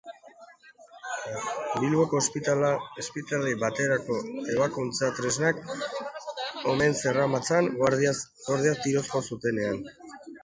Bilboko ospitale baterako ebakuntza-tresnak omen zeramatzan, guardiek tiroz jo zutenean.